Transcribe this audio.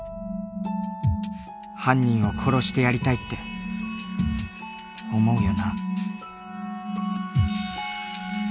犯人を殺してやりたいって思うよな。